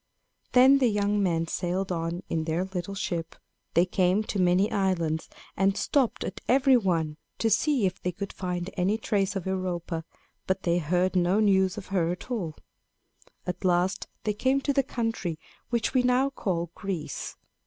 Then the young men sailed on in their little ship. They came to many islands, and stopped at every one, to see if they could find any trace of Europa; but they heard no news of her at all. At last, they came to the country which we now call Greece.